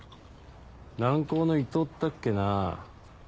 軟高の伊藤ったっけな。